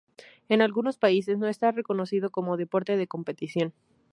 En algunos países no está reconocido como deporte de competición.